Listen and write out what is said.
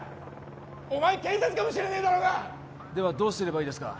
お前警察かもしれねえだろうがではどうすればいいですか？